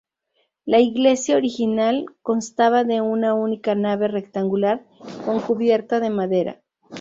La iglesia original constaba de una única nave rectangular con cubierta de madera.